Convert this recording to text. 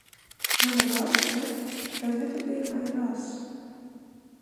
Mana balss, ja? Tev nepatīk mana balss.